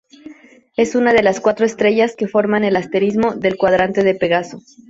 Es una de las cuatro estrellas que forman el asterismo del cuadrante de Pegaso.